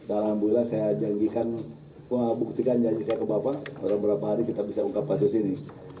alhamdulillah saya janjikan buktikan janji saya ke bapak dalam beberapa hari kita bisa ungkap kasus ini